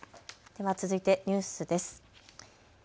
では続いてニュースです。